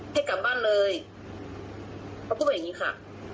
ให้กลับบ้านเลยเขาพูดว่าอย่างนี้ค่ะ